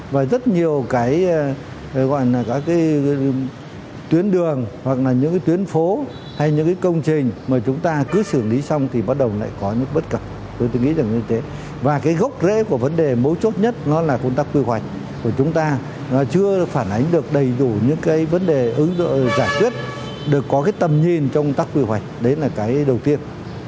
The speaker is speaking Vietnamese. và rất nhiều cái tuyến đường hoặc là những cái tuyến phố hay những cái công trình mà chúng ta cứ xử lý xong thì bắt đầu lại có những bất cập tôi nghĩ là như thế và cái gốc rễ của vấn đề mối chốt nhất nó là ủn tác quy hoạch của chúng ta nó chưa phản ánh được đầy đủ những cái vấn đề giải quyết được có cái tầm nhìn trong ủn tác quy hoạch đấy là cái đầu tiên